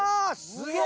すげえ！